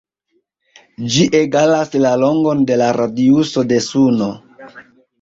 Ĝi egalas la longon de la radiuso de Suno.